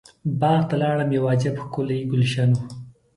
باغ ته لاړم یو عجب ښکلی ګلشن و.